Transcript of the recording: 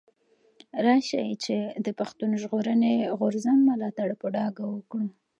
راشئ چي د پښتون ژغورني غورځنګ ملاتړ په ډاګه وکړو.